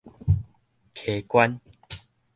㧎關